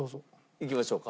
いきましょうか。